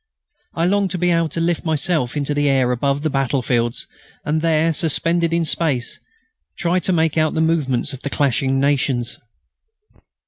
I longed to be able to lift myself into the air above the battlefields, and there, suspended in space, try to make out the movements of the clashing nations.